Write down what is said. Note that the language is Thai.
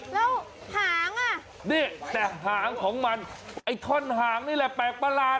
แล้วหางอ่ะนี่แต่หางของมันไอ้ท่อนหางนี่แหละแปลกประหลาด